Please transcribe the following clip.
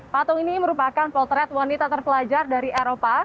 patung ini merupakan potret wanita terpelajar dari eropa